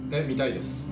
見たいです。